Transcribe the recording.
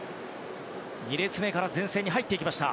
２列目から前線に入っていきました。